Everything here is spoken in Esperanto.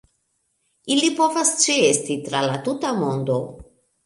Ili povas ĉeesti tra la tuta mondo.